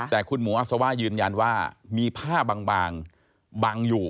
แต่คุณหมูอัศว่ายืนยันว่ามีผ้าบางบังอยู่